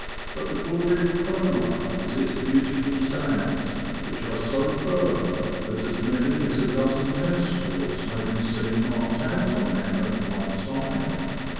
But the glory of Cromer is its beautiful sands, which are so firm that as many as a dozen tennis courts may be seen marked out on them at one time.